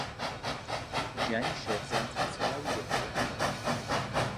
ژیانی شێرزاد بەتەواوی لێک ترازا.